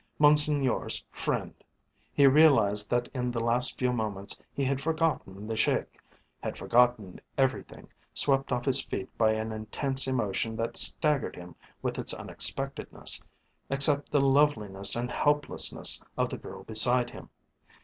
Monseigneur's friend! He realized that in the last few moments he had forgotten the Sheik, had forgotten everything, swept off his feet by an intense emotion that staggered him with its unexpectedness, except the loveliness and helplessness of the girl beside him.